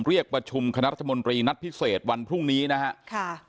เรียกประชุมคณะรัฐมนตรีนัดพิเศษวันพรุ่งนี้นะฮะค่ะ